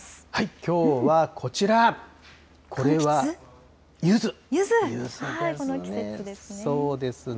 きょうはこちら、これはゆずですね。